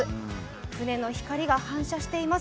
船の光が反射しています。